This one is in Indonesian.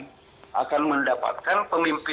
dan itu akan menjadi pandemi yang lebih baik untuk kita